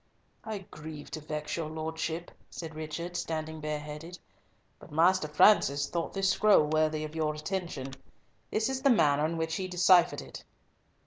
"I grieve to vex your lordship," said Richard, standing bareheaded, "but Master Francis thought this scroll worthy of your attention. This is the manner in which he deciphered it."